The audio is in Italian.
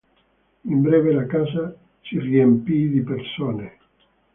In breve la casa si riempì di persone.